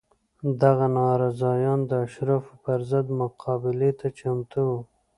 دغه ناراضیان د اشرافو پر ضد مقابلې ته چمتو وو